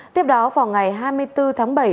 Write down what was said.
tiếp đó vào ngày hai mươi bốn tháng bảy